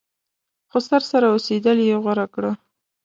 خسر سره اوسېدل یې غوره کړه.